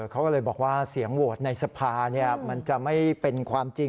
เขาก็เลยบอกว่าเสียงโหวตในสภามันจะไม่เป็นความจริง